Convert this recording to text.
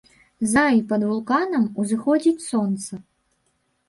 За і пад вулканам, узыходзіць сонца.